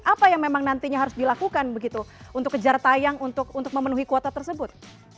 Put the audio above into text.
apa yang memang nantinya harus dilakukan begitu untuk kejar tayang untuk memenuhi kuota tersebut